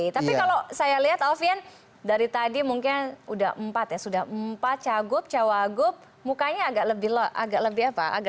tapi kalau saya lihat alfian dari tadi mungkin sudah empat ya sudah empat cagup cawagup mukanya agak lebih apa